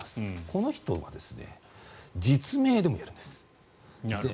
この人は実名でもやるんです。